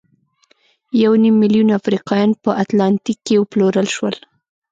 یو نیم میلیون افریقایان په اتلانتیک کې وپلورل شول.